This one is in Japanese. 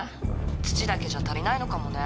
土だけじゃ足りないのかもね。